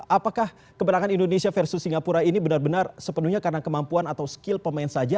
apakah kebenaran indonesia versus singapura ini benar benar sepenuhnya karena kemampuan atau skill pemain saja